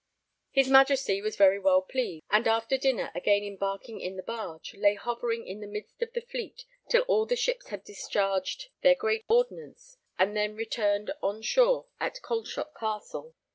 His Majesty was very well pleased, and after dinner, again embarking in the barge, lay hovering in the midst of the Fleet till all the ships had discharged their great ordnance, and then returned on shore at Calshot Castle.